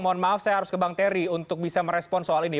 mohon maaf saya harus ke bang terry untuk bisa merespon soal ini